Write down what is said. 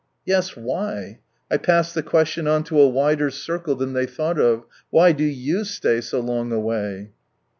" Yes, why f I pass the question on to a wider circle than they thought of — why do yon stay so long away